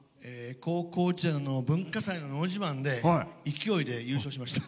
高校１年の文化祭ののど自慢で勢いで優勝しました。